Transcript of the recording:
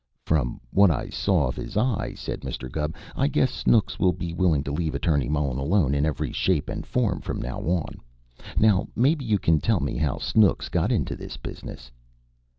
"From what I saw of his eye," said Mr. Gubb, "I guess Snooks will be willing to leave Attorney Mullen alone in every shape and form from now on. Now, maybe you can tell me how Snooks got into this business."